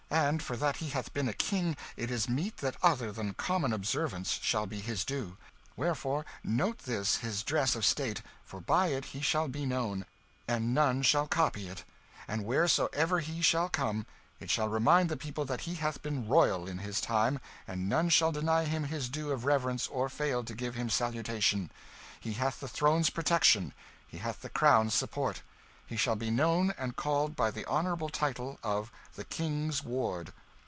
And for that he hath been a king, it is meet that other than common observance shall be his due; wherefore note this his dress of state, for by it he shall be known, and none shall copy it; and wheresoever he shall come, it shall remind the people that he hath been royal, in his time, and none shall deny him his due of reverence or fail to give him salutation. He hath the throne's protection, he hath the crown's support, he shall be known and called by the honourable title of the King's Ward."